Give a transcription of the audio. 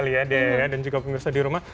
sedikit kali ya daya dan juga pengirsa di rumah